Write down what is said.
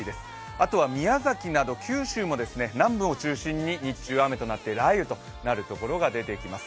あとは宮崎など九州南部を中心に日中雨となって雷雨となるところが出てきます。